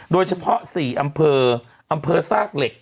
โดยเฉพาะ๔อำเภออำเภอซากเหล็ก